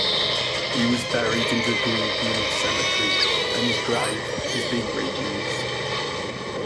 He was buried in Draguignan cemetery and his grave has been re-used.